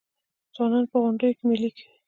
ځوانان په غونډیو کې میلې کوي.